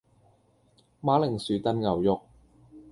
馬鈴薯燉牛肉